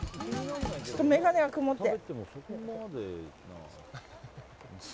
ちょっと眼鏡が曇って。